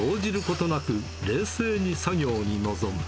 ことなく、冷静に作業に臨む。